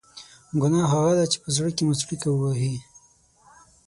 ګناه هغه ده چې په زړه کې مو څړیکه ووهي.